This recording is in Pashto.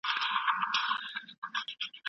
د دې ولد پراس نسي سپرېدلای.